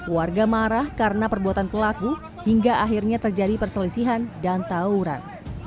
warga marah karena perbuatan pelaku hingga akhirnya terjadi perselisihan dan tawuran